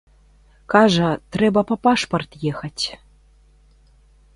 Кажа, трэба па пашпарт ехаць.